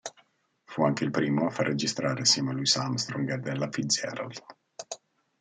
Fu anche il primo a far registrare assieme Louis Armstrong ed Ella Fitzgerald.